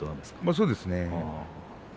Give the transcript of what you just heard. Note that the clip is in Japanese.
そうですね。